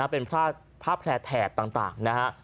เป็นผ้าแพร่แถบต่างนะฮะ